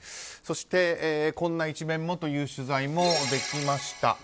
そして、こんな一面もという取材もできました。